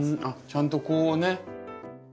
あっちゃんとこうね。